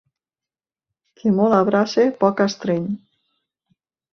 Qui molt abraça poc estreny